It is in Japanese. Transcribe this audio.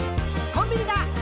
「コンビニだ！